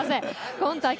今大会